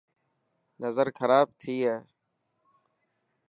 نظر خراب شي هي.